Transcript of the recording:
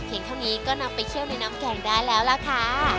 เท่านี้ก็นำไปเคี่ยวในน้ำแกงได้แล้วล่ะค่ะ